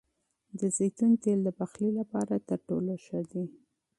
د زیتون تېل د پخلي لپاره تر ټولو ښه دي.